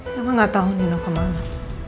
nama gak tau nino kemana